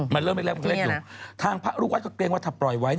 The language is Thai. มันเริ่มเล็กอยู่ทางพระลูกวัดก็เกรงว่าถ้าปล่อยไว้